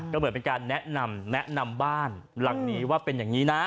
ก็เหมือนเป็นการแนะนำแนะนำบ้านหลังนี้ว่าเป็นอย่างนี้นะ